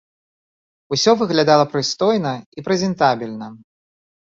Усё выглядала прыстойна і прэзентабельна.